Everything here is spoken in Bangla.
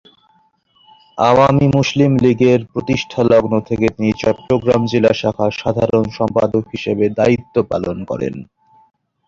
আওয়ামী মুসলিম লীগের প্রতিষ্ঠা লগ্ন থেকে তিনি চট্টগ্রাম জেলা শাখার সাধারণ সম্পাদক হিসেবে দায়িত্ব পালন করেন।